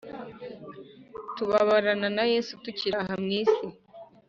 Tubabarana na Yesu, Tukiri aha mw isi.